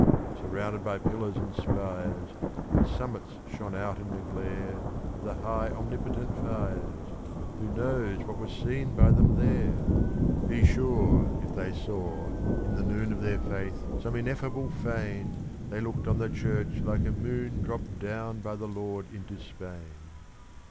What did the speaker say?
Surrounded by pillars and spires whose summits shone out in the glare Of the high, the omnipotent fires, who knows what was seen by them there? Be sure, if they saw, in the noon of their faith, some ineffable fane, They looked on the church like a moon dropped down by the Lord into Spain.